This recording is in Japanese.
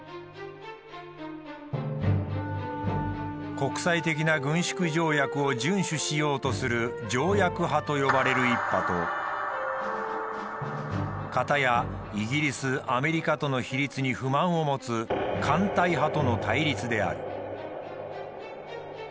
国際的な軍縮条約を順守しようとする「条約派」と呼ばれる一派とかたやイギリスアメリカとの比率に不満を持つ「艦隊派」との対立である。